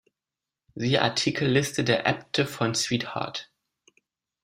Siehe Artikel Liste der Äbte von Sweetheart